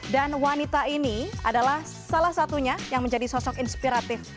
dan wanita ini adalah salah satunya yang menjadi sosok inspiratif